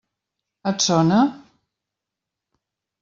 Et sona?